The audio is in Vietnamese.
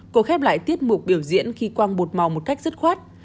cô khép lại tiết mục biểu diễn khi quang bột màu một cách dứt khoát